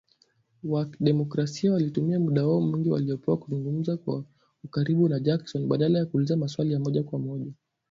Wademokrasia walitumia muda wao mwingi waliopewa kuzungumza kwa ukaribu na Jackson, badala ya kuuliza maswali ya moja kwa moja